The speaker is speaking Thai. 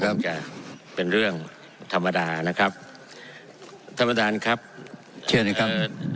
จะเป็นเรื่องธรรมดานะครับท่านประธานครับเชื่อนะครับ